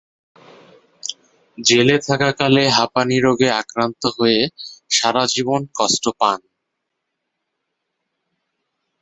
জেলে থাকাকালে হাঁপানি রোগে আক্রান্ত হয়ে সারা জীবন কষ্ট পান।